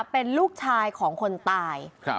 เป็นลูกชายของคนตาย